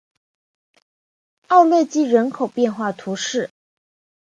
奥勒济人口变化图示